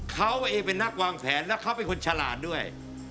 เขาเองเป็นนักวางแผนแล้วเขาเป็นคนฉลาดด้วย